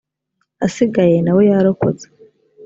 asigaye na we yarokotse